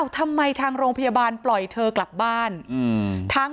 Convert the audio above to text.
ทางโรงพยาบาลปล่อยเธอกลับบ้าน